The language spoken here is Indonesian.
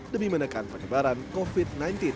demi menekan penyebaran covid sembilan belas